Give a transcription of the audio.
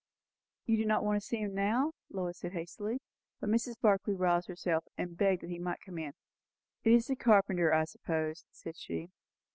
"You do not want to see him now?" said Lois hastily. But Mrs. Barclay roused herself, and begged that he might come in. "It is the carpenter, I suppose," said she.